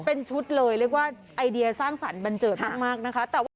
เป็นชุดเลยเรียกว่าไอเดียสร้างสรรค์บันเจิดมากนะคะ